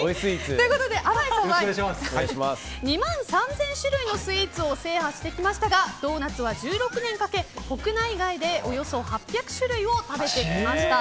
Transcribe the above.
あまいさんは２万３０００種類のスイーツを制覇してきましたがドーナツは１６年かけ国内外で、およそ８００種類を食べてきました。